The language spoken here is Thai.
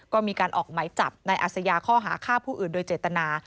ก็มีการออกไหมจับนายอาศยาข้อหาฆ่าผู้อื่นโดยเจตนา